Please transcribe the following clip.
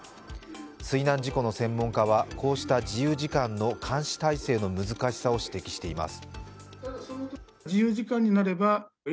水難事故の専門家はこうした自由時間の監視態勢の難しさを指摘しています。